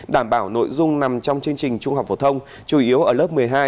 đảm bảo nội dung nằm trong chương trình trung học phổ thông chủ yếu ở lớp một mươi hai